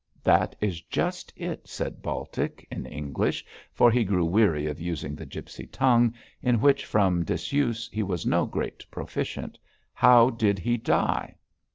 'That is just it!' said Baltic, in English, for he grew weary of using the gipsy language, in which, from disuse, he was no great proficient. 'How did he die?'